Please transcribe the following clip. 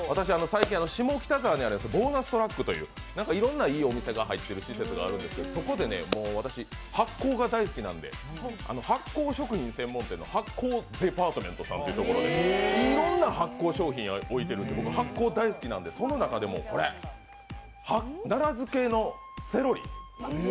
最近下北沢にあるボーナストラックといういろんないいお店が入っている施設があるんですがそこで私、発酵が大好きなので、発酵食品専門店の発酵デパートメントさんというところに、いろんな発酵商品を置いてるんで僕は発酵大好きなんでその中でもこれ、奈良漬のセロリ。